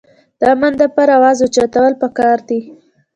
د امن دپاره اواز اوچتول پکار دي